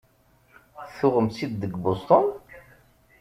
Tuɣem-tt-id deg Boston?